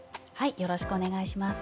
よろしくお願いします。